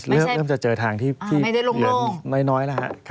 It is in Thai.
เริ่มจะเจอทางที่เหลือน้อยแล้วฮะ